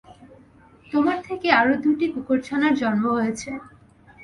তোমার থেকে আরো দুটি কুকুরছানার জন্ম হয়েছে।